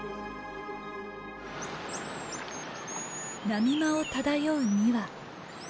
波間を漂う２羽。